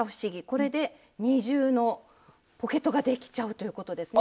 これで二重のポケットができちゃうということですね。